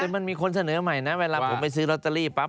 มันมีคนเสนอใหม่นะเวลาผมไปซื้อลอตเตอรี่ปั๊